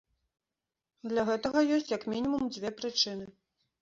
Для гэтага ёсць як мінімум дзве прычыны.